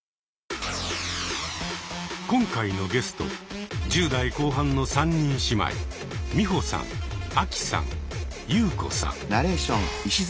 今回のゲスト１０代後半の３人姉妹ミホさんアキさんユウコさん。